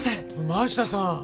真下さん。